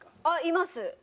あっいます。